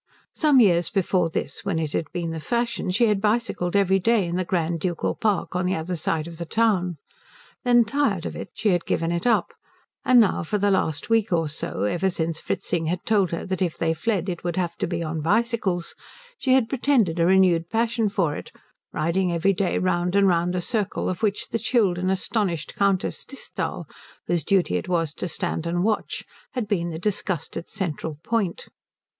Some years before this, when it had been the fashion, she had bicycled every day in the grand ducal park on the other side of the town. Then, tired of it, she had given it up; and now for the last week or two, ever since Fritzing had told her that if they fled it would have to be on bicycles, she had pretended a renewed passion for it, riding every day round and round a circle of which the chilled and astonished Countess Disthal, whose duty it was to stand and watch, had been the disgusted central point.